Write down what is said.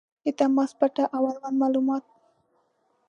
• د تماس پته او اړوند معلومات